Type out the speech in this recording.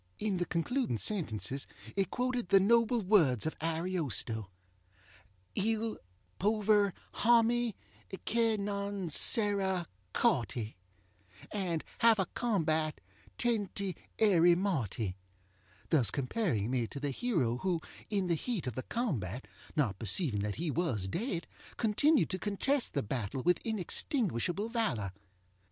In the concluding sentences it quoted the noble words of AriostoŌĆö Il pover hommy che non sera corty And have a combat tenty erry morty; thus comparing me to the hero who, in the heat of the combat, not perceiving that he was dead, continued to contest the battle with inextinguishable valor.